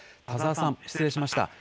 田澤さん、失礼しました。